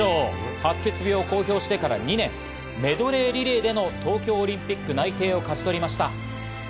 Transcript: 白血病を公表してから２年、メドレーリレーでの東京オリンピック代表内定を勝ち取りました。